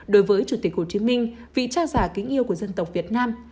đối với chủ tịch hồ chí minh vị tra giả kính yêu của dân tộc việt nam